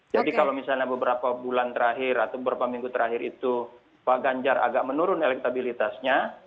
jadi kalau misalnya beberapa bulan terakhir atau beberapa minggu terakhir itu pak ganjar agak menurun elektabilitasnya